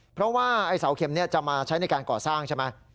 เพราะว่าไอ้เสาเข็มนี้จะมาใช้ในการก่อสร้างใช่ไหม